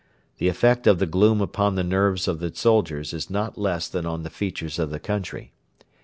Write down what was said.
The effect of the gloom upon the nerves of the soldiers is not less than on the features of the country.